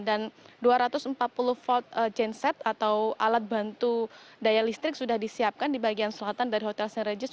dan dua ratus empat puluh volt chainset atau alat bantu daya listrik sudah disiapkan di bagian selatan dari hotel st regis